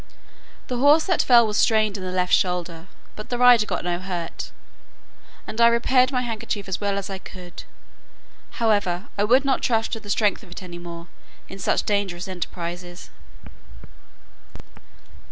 The horse that fell was strained in the left shoulder, but the rider got no hurt; and I repaired my handkerchief as well as I could: however, I would not trust to the strength of it any more, in such dangerous enterprises.